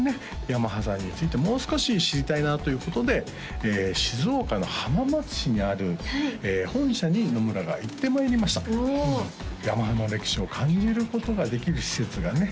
ヤマハさんについてもう少し知りたいなということで静岡の浜松市にある本社に野村が行ってまいりましたおおヤマハの歴史を感じることができる施設がね